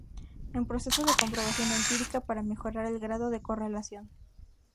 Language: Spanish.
En proceso de comprobación empírica para mejorar el grado de correlación.